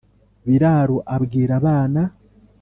biraro abwira abana